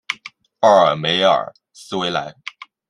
奥尔梅尔斯维莱。